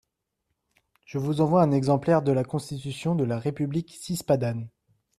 Je vous envoie un exemplaire de la constitution de la république cispadane.